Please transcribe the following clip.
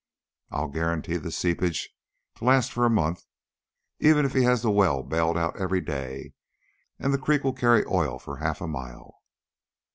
I'll guarantee the seepage to last for a month, even if he has the well bailed out every day, and the creek will carry oil for half a mile."